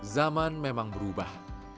zaman memang berubah